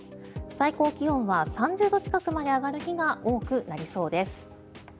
最高気温は３０度近くまで上がる日が多くなりそうです。